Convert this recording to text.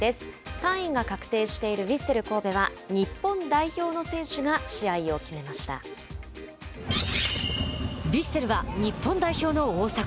３位が確定しているヴィッセル神戸は日本代表の選手がヴィッセルは日本代表の大迫。